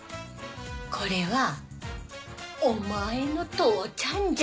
これはお前の父ちゃんじゃ。